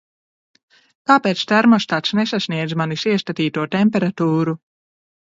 Kāpēc termostats nesasniedz manis iestatīto temperatūru?